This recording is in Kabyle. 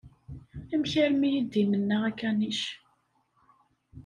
Amek armi i d-imenna akanic?